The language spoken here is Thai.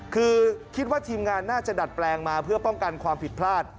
คือคิดว่าทีมงานน่าจะดัดแปลงมาเพื่อป้องกันความผิดพลาด